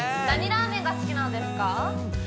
何ラーメンが好きなんですか？